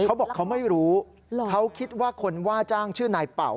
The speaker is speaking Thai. เขาบอกเขาไม่รู้เขาคิดว่าคนว่าจ้างชื่อนายเป่า